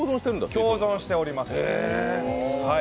共存しております。